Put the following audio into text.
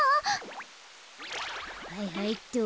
はいはいっと。